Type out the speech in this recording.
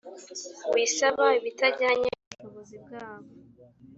wisaba ibitajyanye nubushobozi bwabo